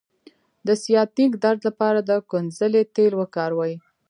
د سیاتیک درد لپاره د کونځلې تېل وکاروئ